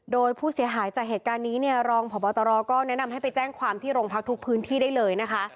โดยผู้เสียหายจากเหตุการณ์นี้เนี่ยรองพบตรก็แนะนำให้ไปแจ้งความที่โรงพักทุกพื้นที่ได้เลยนะคะ